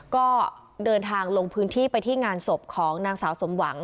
ก็เดินทางลงพื้นที่ไปที่งานศพของนางสาวสมหวัง